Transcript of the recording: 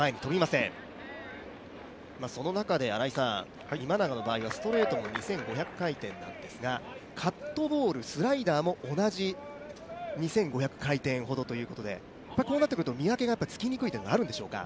その中で、今永の場合はストレートも２５００回転なんですがカットボール、スライダーも同じ２５００回転ほどということで、こうなってくると見分けがつきにくいというのがあるんでしょうか。